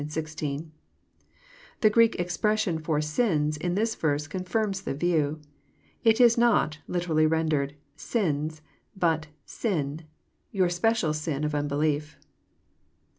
15, 16. The Greek expres sion for '* sins" in this verse confirms the view. It is not, liter ally rendered, sins," but " sin," — your special sin of unbelief!